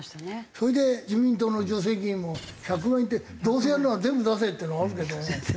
それで自民党の女性議員も１００万円ってどうせやるなら全部出せっていうのがあるけどな。